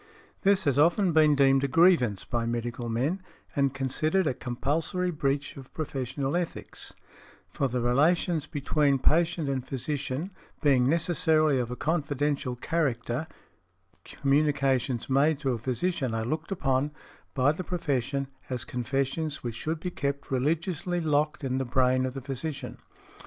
This has often been deemed a grievance by medical men, and considered a compulsory breach of professional ethics; for the relations between patient and physician, being necessarily of a confidential character, communications made to a physician are looked upon, by the profession, as confessions which should be kept religiously locked in the brain of the physician.